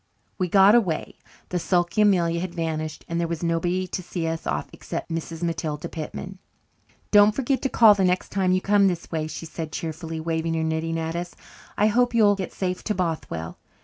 We got away. The sulky Amelia had vanished, and there was nobody to see us off except Mrs. Matilda Pitman. "Don't forget to call the next time you come this way," she said cheerfully, waving her knitting at us. "I hope you'll get safe to Bothwell.